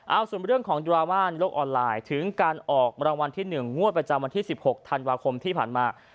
เอาส่วนเรื่องของดราม่าในโลกออนไลน์ถึงการออกรางวัลที่๑งวดประจำวันที่๑๖ธันวาคมที่ผ่านมา